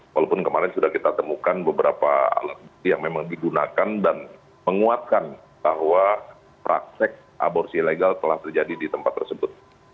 walaupun kemarin sudah kita temukan beberapa alat bukti yang memang digunakan dan menguatkan bahwa praktek aborsi ilegal telah terjadi di tempat tersebut